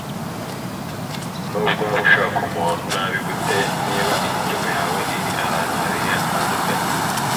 nubwo waba ushaka umuntu nabi gute, niba imitima yawe iri ahantu habiri hatandukanye